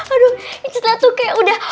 aduh incus tuh kayak udah